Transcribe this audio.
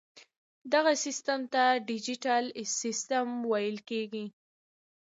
دغه سیسټم ته ډیجیټل سیسټم ویل کیږي.